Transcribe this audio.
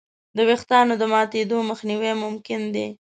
د وېښتیانو د ماتېدو مخنیوی ممکن دی.